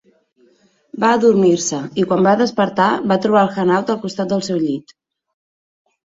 Va adormir-se i, quan es va despertar, va trobar el Hanaud al costat del seu llit.